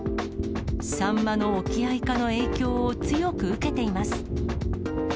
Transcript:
サンマの沖合化の影響を強く受けています。